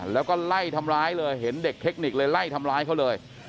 แล้วก็ไล่ทำร้ายเลยเห็นเด็กเทคนิคเลยไล่ทำร้ายเขาเลย